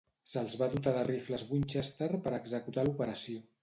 Se'ls va dotar de rifles Winchester per executar l'operació.